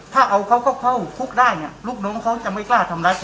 ถ้าเอาเขาก็เข้าคุกได้เนี่ยลูกน้องเขาจะไม่กล้าทำร้าย